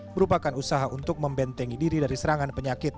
merupakan usaha untuk membentengi diri dari serangan penyakit